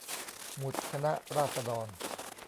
หมุดคณะราษฎร